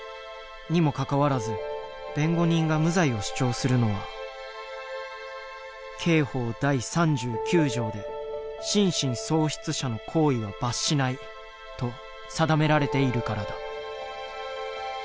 にもかかわらず弁護人が無罪を主張するのは刑法第３９条で「心神喪失者の行為は罰しない」と定められているからだ。